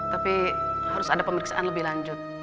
tapi harus ada pemeriksaan lebih lanjut